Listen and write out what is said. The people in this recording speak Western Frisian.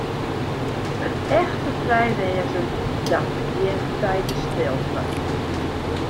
It echte frij wêzen, dat begjint by de stilte.